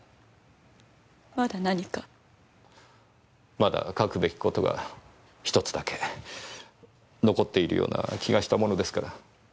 まだ書くべき事が１つだけ残っているような気がしたものですから。